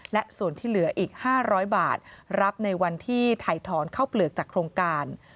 และส่วนที่เหลืออีก๕๐๐บาทรับในวันที่ถ่ายถอนข้าวเปลือกจากโครงการ